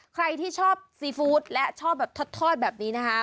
ใครที่ชอบซีฟู้ดและชอบแบบทอดแบบนี้นะคะ